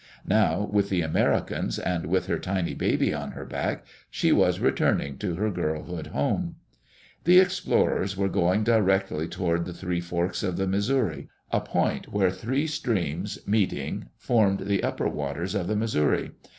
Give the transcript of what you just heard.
Now, with the Americans, and with her tiny baby on her back, she was returning to her girlhood home. The explorers were going directly toward the Three Forks of the Missouri — a point where three streams, meeting, formed the upper waters of the Missouri.